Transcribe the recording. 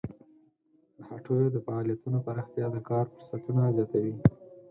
د هټیو د فعالیتونو پراختیا د کار فرصتونه زیاتوي.